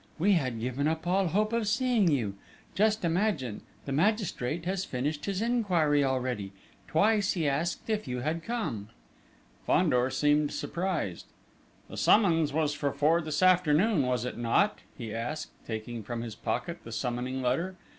"We had given up all hope of seeing you.... Just imagine, the magistrate has finished his enquiry already! Twice he asked if you had come!" Fandor seemed surprised. "The summons was for four this afternoon, was it not?" he asked, taking from his pocket the summoning letter.